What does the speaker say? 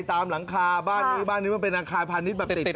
ตามหลังคาบ้านนี้บ้านนี้มันเป็นหลังคาพันธุ์นิดแบบติดกันนะ